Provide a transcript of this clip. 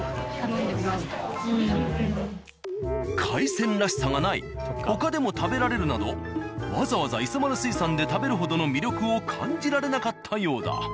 海鮮らしさがない他でも食べられるなどわざわざ「磯丸水産」で食べるほどの魅力を感じられなかったようだ。